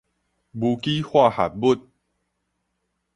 無機化合物